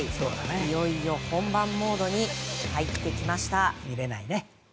いよいよ本番モードに入ってきました。